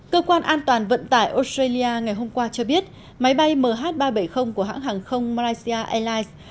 cơ quan an toàn vận tải australia ngày hôm qua cho biết máy bay mh ba trăm bảy mươi của hãng hàng không malaysia airlines